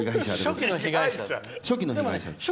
初期の被害者ね。